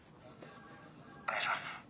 お願いします。